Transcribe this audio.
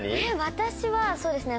私はそうですね